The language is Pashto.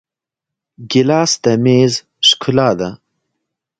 ګیلاس د میز ښکلا ده.